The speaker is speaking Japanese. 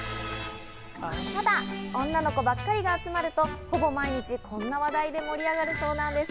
ただ女の子ばっかりが集まると、ほぼ毎日こんな話題で盛り上がるそうなんです。